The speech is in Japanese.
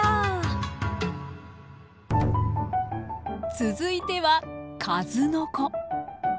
続いては数の子。